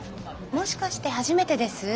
もしかして初めてです？